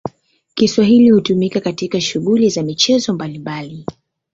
Kiswahili hutumika katika shughuli za michezo mbalimbali.